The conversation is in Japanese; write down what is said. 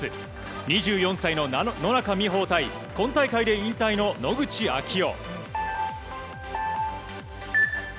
２４歳の野中生萌対今大会で引退の野口啓代。